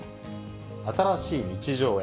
新しい日常へ。